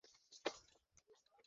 বসো, বসো।